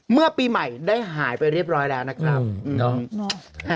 เมื่อปีใหม่ได้หายไปเรียบร้อยแล้วนะครับ